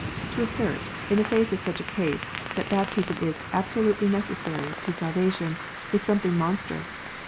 To assert, in the face of such a case, that baptism is absolutely necessary to salvation is something monstrous.